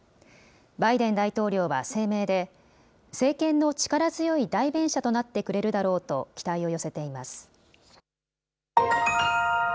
バイデン大統領は声明で、政権の力強い代弁者となってくれるだろうと期待を寄せています。